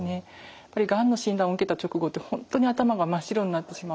やはりがんの診断を受けた直後って本当に頭が真っ白になってしまう。